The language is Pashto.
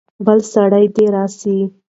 بل سړی دې راسي.